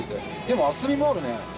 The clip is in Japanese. でも厚みもあるね。